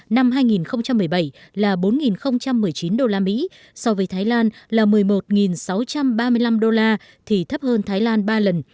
năm hai nghìn một mươi bảy là bốn một mươi chín usd so với thái lan là một mươi một sáu trăm ba mươi năm đô la thì thấp hơn thái lan ba lần